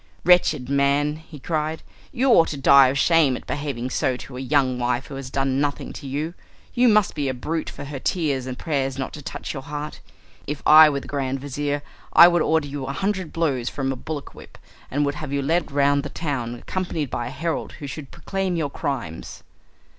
"Wretched man!" he cried, "you ought to die of shame at behaving so to a young wife who has done nothing to you. You must be a brute for her tears and prayers not to touch your heart. If I were the grand vizir I would order you a hundred blows from a bullock whip, and would have you led round the town accompanied by a herald who should proclaim your crimes."